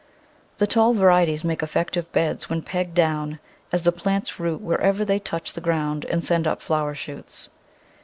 The tall varieties make effective beds when pegged down, as the plants root wherever they touch the ground and send up flower shoots.